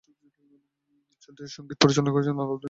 চলচ্চিত্রটির সঙ্গীত পরিচালনা করেছেন আলাউদ্দিন আলী।